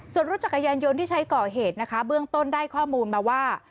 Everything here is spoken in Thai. ส่วนรถจักรยานยนต์ที่ใช้ก่อเหตุนะคะเบื้องต้นได้ข้อมูลมาว่า